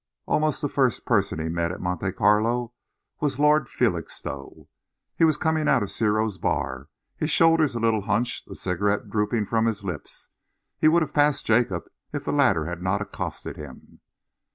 Almost the first person he met at Monte Carlo was Lord Felixstowe. He was coming out of Ciro's bar, his shoulders a little hunched, a cigarette dropping from his lips. He would have passed Jacob, if the latter had not accosted him.